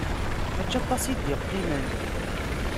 Mačči aṭas i d-iqqimen.